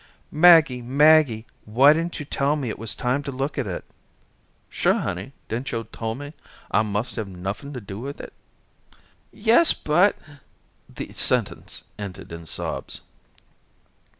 "Maggie, Maggie, why didn't you tell me it was time to look at it?" "Sure, honey, didn't yo' tol' me I must have nuffin to do with it?" "Yes, but " the sentence ended in sobs.